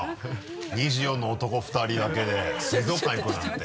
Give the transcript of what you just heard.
２４の男２人だけで水族館行くなんて。